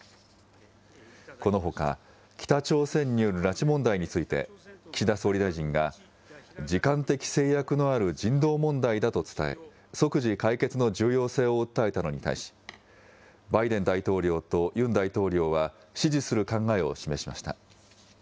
このほか、北朝鮮による拉致問題について、岸田総理大臣が、時間的制約のある人道問題だと伝え、即時解決の重要性を訴えたのに対し、バイデン大統領とユン大統領は、支持する考えを示しました。